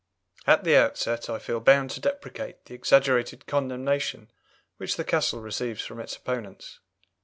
At the outset I feel bound to deprecate the exaggerated condemnation which the "Castle" receives from its opponents.